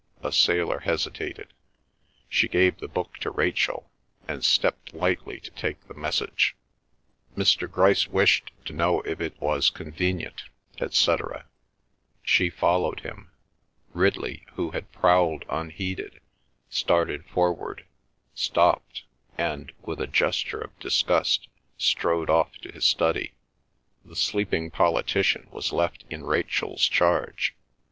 A sailor hesitated; she gave the book to Rachel, and stepped lightly to take the message—"Mr. Grice wished to know if it was convenient," etc. She followed him. Ridley, who had prowled unheeded, started forward, stopped, and, with a gesture of disgust, strode off to his study. The sleeping politician was left in Rachel's charge.